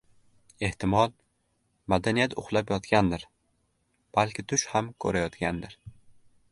• Ehtimol, madaniyat uxlab yotgandir, balki tush ham ko‘rayotgandir…